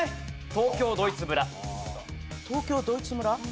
東京ドイツ村？